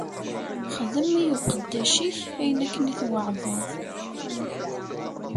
Xdem i uqeddac-ik ayen akken i tweɛdeḍ.